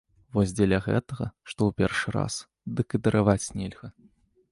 Вось дзеля гэтага, што ў першы раз, дык і дараваць нельга.